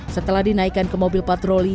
setelah dinaikkan ke mobil patroli